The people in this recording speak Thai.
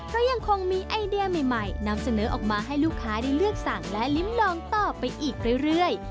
ก็ยังคงมีไอเดียใหม่นำเสนอออกมาให้ลูกค้าได้เลือกสั่งและลิ้มลองต่อไปอีกเรื่อย